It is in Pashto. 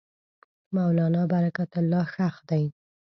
مولنا برکت الله ښخ دی.